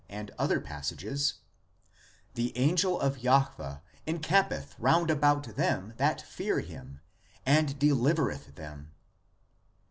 and other passages :" The angel of Jahwe encampeth round about them that fear Him, and delivereth them."